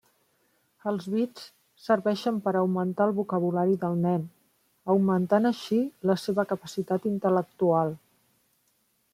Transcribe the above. Els bits serveixen per augmentar el vocabulari del nen, augmentant així, la seva capacitat intel·lectual.